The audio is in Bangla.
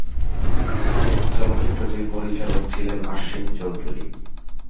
চলচ্চিত্রটির পরিচালক ছিলেন অশ্বিনী চৌধুরী।